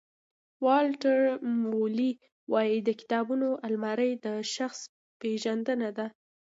والټر مویلي وایي د کتابونو المارۍ د شخص پېژندنه ده.